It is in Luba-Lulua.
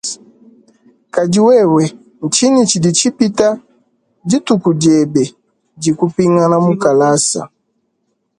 Kadi wewe tshingi tshidi tshipita dithuku diebe di kupingana mukalasa?